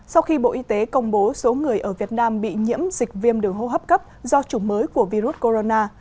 sau khi bộ y tế công bố số người ở việt nam bị nhiễm dịch viêm đường hô hấp cấp do chủng mới của virus corona